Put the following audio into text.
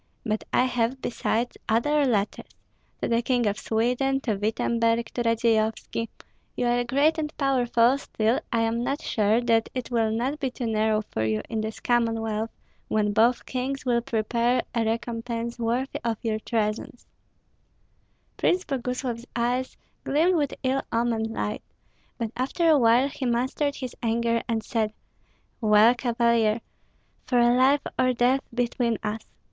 But I have, besides, other letters, to the King of Sweden, to Wittemberg, to Radzeyovski. You are great and powerful; still I am not sure that it will not be too narrow for you in this Commonwealth, when both kings will prepare a recompense worthy of your treasons." Prince Boguslav's eyes gleamed with ill omened light, but after a while he mastered his anger and said, "Well, Cavalier! For life or death between us!